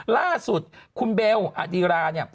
ล่าสุดคุณเบลอดีรา